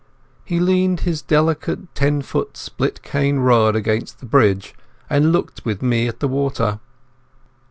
He leaned his delicate ten foot split cane rod against the bridge, and looked with me at the water.